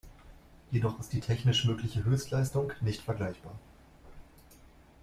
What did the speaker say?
Jedoch ist die technisch mögliche Höchstleistung nicht vergleichbar.